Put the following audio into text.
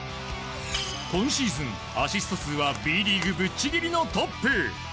今シーズン、アシスト数はＢリーグぶっちぎりのトップ。